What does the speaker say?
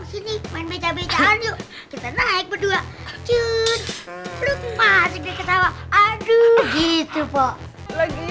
di sini meja mejaan yuk kita naik berdua cun